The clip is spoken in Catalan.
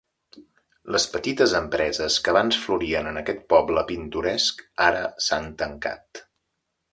Les petites empreses que abans florien en aquest poble pintoresc ara s'han tancat.